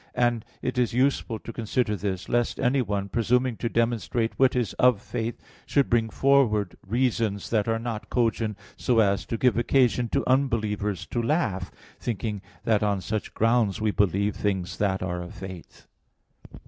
And it is useful to consider this, lest anyone, presuming to demonstrate what is of faith, should bring forward reasons that are not cogent, so as to give occasion to unbelievers to laugh, thinking that on such grounds we believe things that are of faith.